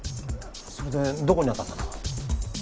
それでどこに当たったの？